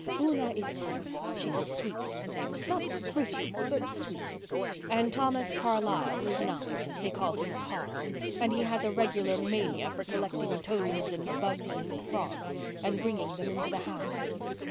Una is ten—she's a sweet little thing—not pretty, but sweet. And Thomas Carlyle is nine. They call him Carl, and he has a regular mania for collecting toads and bugs and frogs and bringing them into the house."